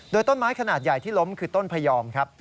โดยต้นไม้ขนาดใหญ่ที่ล้มคือต้นพยอมครับ